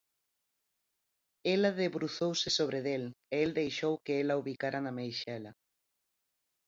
Ela debruzouse sobre del e el deixou que ela o bicara na meixela;